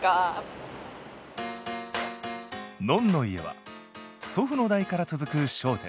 のんの家は祖父の代から続く商店。